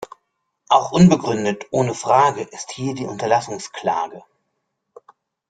Auch unbegründet – ohne Frage – ist hier die Unterlassungsklage.